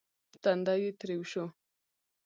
تندی يې تريو شو.